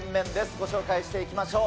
ご紹介していきましょう。